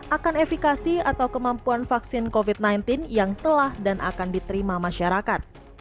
akan efekasi atau kemampuan vaksin covid sembilan belas yang telah dan akan diterima masyarakat